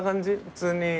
普通に？